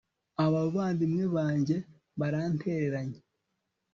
abavandimwe banjye barantereranye